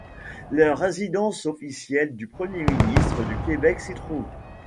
La résidence officielle du premier ministre du Québec s'y trouve.